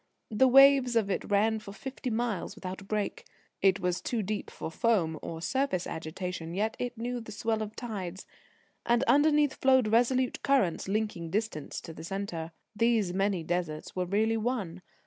The waves of it ran for fifty miles without a break. It was too deep for foam or surface agitation, yet it knew the swell of tides. And underneath flowed resolute currents, linking distance to the centre. These many deserts were really one.